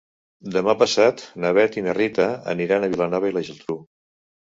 Demà passat na Bet i na Rita aniran a Vilanova i la Geltrú.